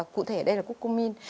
cụ thể ở đây là cucumin